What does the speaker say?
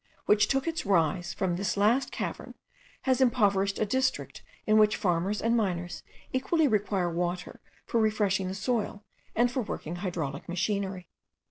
which took its rise from this last cavern, has impoverished a district in which farmers and miners equally require water for refreshing the soil and for working hydraulic machinery.